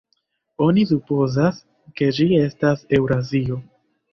Oni supozas, ke ĝi estas Eŭrazio.